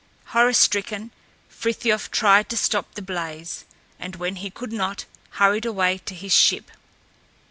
Horror stricken, Frithiof tried to stop the blaze, and when he could not, hurried away to his ship.